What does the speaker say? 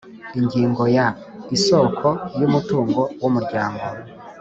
Ingingo ya isoko y umutungo w umuryango